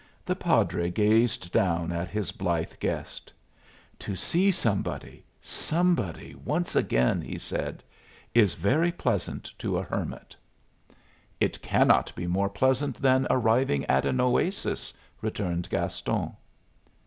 The padre gazed down at his blithe guest. "To see somebody, somebody, once again," he said, "is very pleasant to a hermit." "It cannot be more pleasant than arriving at an oasis," returned Gaston.